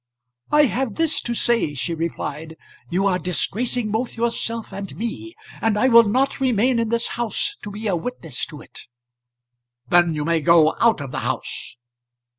"I have this to say," she replied; "you are disgracing both yourself and me, and I will not remain in this house to be a witness to it." "Then you may go out of the house."